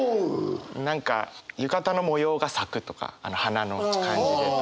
何か浴衣の模様が咲くとか花の感じでとか。